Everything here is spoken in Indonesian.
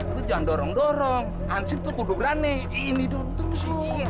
jangan dorong dorong ansip kudu rane ini dong terus